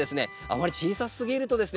あまり小さすぎるとですね